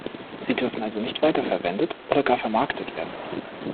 Sie dürfen also nicht weiter verwendet oder gar vermarktet werden.